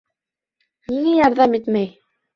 Ниңә ярҙам итмәй?